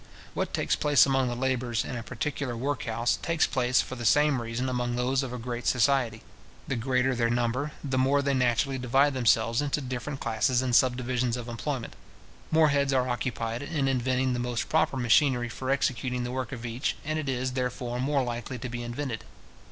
What takes place among the labourers in a particular workhouse, takes place, for the same reason, among those of a great society. The greater their number, the more they naturally divide themselves into different classes and subdivisions of employments. More heads are occupied in inventing the most proper machinery for executing the work of each, and it is, therefore, more likely to be invented.